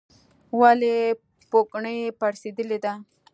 ولې پوکڼۍ پړسیدلې ده؟